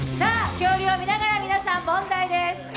恐竜を見ながら皆さん、問題です。